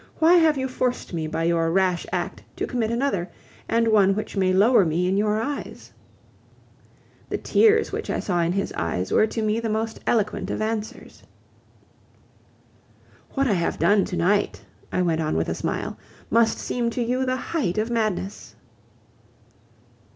Why have you forced me by your rash act to commit another, and one which may lower me in your eyes?" The tears which I saw in his eyes were to me the most eloquent of answers. "What I have done to night," I went on with a smile, "must seem to you the height of madness..."